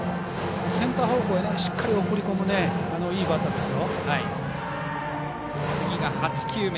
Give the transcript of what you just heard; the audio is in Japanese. センター方向にしっかり送り込むいいバッターですよ。